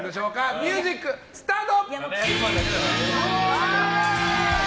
ミュージックスタート！